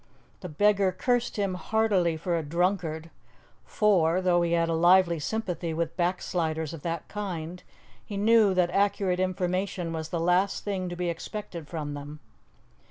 The beggar cursed him heartily for a drunkard, for, though he had a lively sympathy with backsliders of that kind, he knew that accurate information was the last thing to be expected from them.